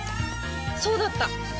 そうだった！